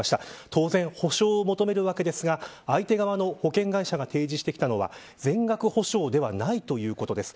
当然、補償を求めるわけですが相手側の保険会社が提示してきたのは全額補償ではないということです。